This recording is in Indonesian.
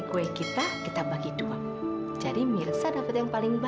kuenya biar dewi yang potong